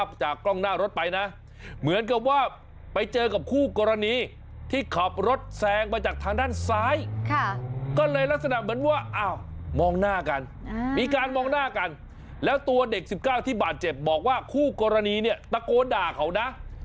มองหน้ากันแล้วตัวเด็กสิบเก้าที่บาดเจ็บบอกว่าคู่กรณีเนี่ยตะโกนด่าเขานะค่ะ